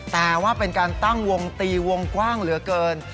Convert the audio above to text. แต่ว่าเป็นการตั้งวงตีวงกว้างเหลือเกิน